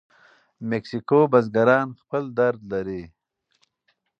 مکسیکو بزګران خپل درد لري.